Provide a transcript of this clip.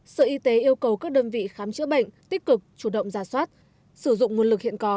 sở y tế yêu cầu các đơn vị khám chữa bệnh tích cực chủ động ra soát sử dụng nguồn lực hiện có